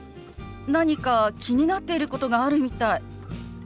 何か気になってることがあるみたい。